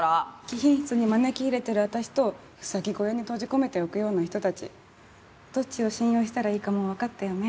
貴賓室に招き入れてる私とうさぎ小屋に閉じ込めておくような人たちどっちを信用したらいいかもうわかったよね？